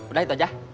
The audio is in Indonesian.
udah itu aja